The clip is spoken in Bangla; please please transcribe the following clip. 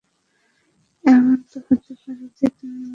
এমনও তো হতে পারে যে, তুমি আমাকে হত্যা করতে এসে নিজেই নিহত হবে।